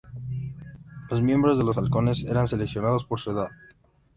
Los miembros de los "Halcones" eran seleccionados por su edad.